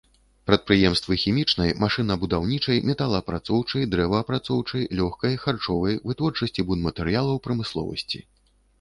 Прадпрыемствы хімічнай, машынабудаўнічай, металаапрацоўчай, дрэваапрацоўчай, лёгкай, харчовай, вытворчасці будматэрыялаў прамысловасці.